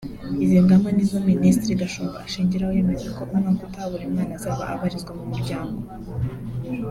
Izi ngamba nizo Minisitiri Gashumba ashingiraho yemeza ko umwaka utaha buri mwana azaba abarizwa mu muryango